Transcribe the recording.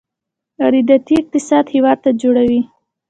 وارداتي اقتصاد هېواد نه جوړوي.